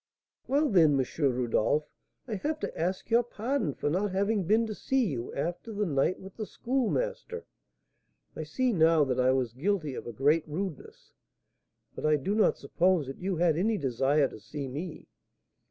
"Well, then, M. Rodolph, I have to ask your pardon for not having been to see you after the night with the Schoolmaster. I see now that I was guilty of a great rudeness; but I do not suppose that you had any desire to see me?"